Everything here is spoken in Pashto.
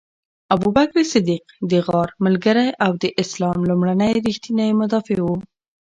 ابوبکر صدیق د غار ملګری او د اسلام لومړنی ریښتینی مدافع و.